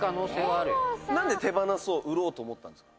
「なんで手放そう売ろうと思ったんですか？」